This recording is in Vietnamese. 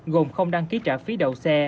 gồm không đăng ký trả phí đậu xe